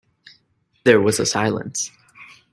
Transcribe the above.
There was a silence.